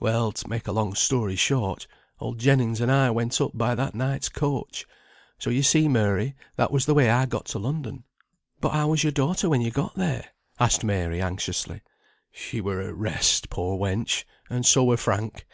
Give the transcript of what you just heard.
Well, t' make a long story short, Old Jennings and I went up by that night's coach. So you see, Mary, that was the way I got to London." [Footnote 30: "Down lying," lying in.] "But how was your daughter when you got there?" asked Mary, anxiously. "She were at rest, poor wench, and so were Frank.